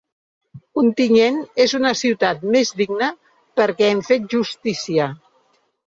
Ontinyent és una ciutat més digna perquè hem fet justícia.